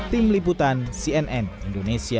tim liputan cnn indonesia